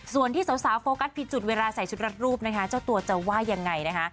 ส่วนที่สาวโฟกัสผิดจุดเวลาใส่ชุดรัดรูปนะคะเจ้าตัวจะว่ายังไงนะคะ